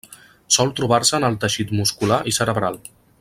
Sol trobar-se en el teixit muscular i cerebral.